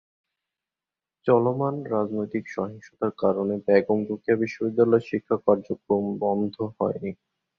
চলমান রাজনৈতিক সহিংসতার কারণে বেগম রোকেয়া বিশ্ববিদ্যালয়ের শিক্ষা কার্যক্রম বন্ধ হয়নি।